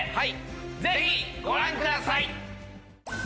ぜひご覧ください！